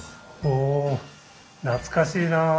お懐かしいなあ。